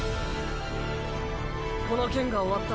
この件が終わった